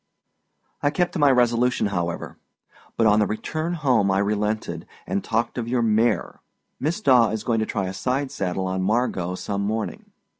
â I kept to my resolution, however; but on the return home I relented, and talked of your mare! Miss Daw is going to try a side saddle on Margot some morning.